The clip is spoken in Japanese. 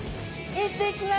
行ってきます。